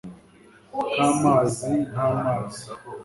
Nkamazi nkamazi